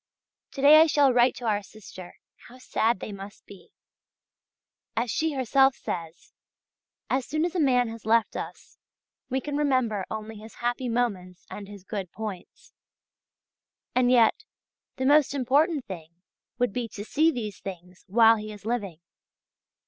To day I shall write to our sister; how sad they must be! As she herself says: "As soon as a man has left us, we can remember only his happy moments and his good points." And yet, the most important thing would be to see these things while he is living.